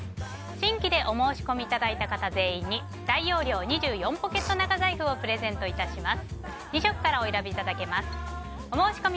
新規でお申し込みいただいた方全員に大容量２４ポケット長財布をプレゼントいたします。